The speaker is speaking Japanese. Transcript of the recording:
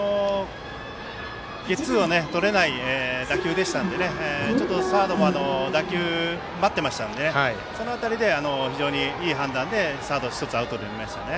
ゲッツーをとれない打球でしたのでサードも打球を待ってましたのでその辺りでいい判断でアウト１つとりましたね。